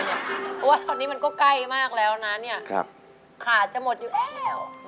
เพราะว่าตอนนี้มันก็ใกล้มากแล้วนะขาดจะหมดอยู่แล้ว